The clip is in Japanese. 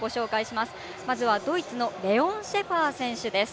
まずはドイツのレオン・シェファー選手です。